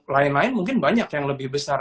lain lain mungkin banyak yang lebih besar